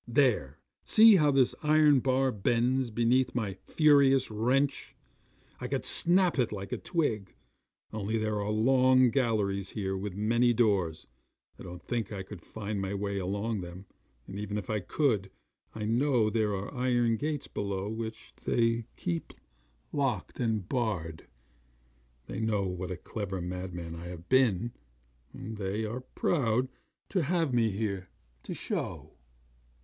There see how this iron bar bends beneath my furious wrench. I could snap it like a twig, only there are long galleries here with many doors I don't think I could find my way along them; and even if I could, I know there are iron gates below which they keep locked and barred. They know what a clever madman I have been, and they are proud to have me here, to show.